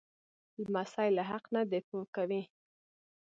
لمسی له حق نه دفاع کوي.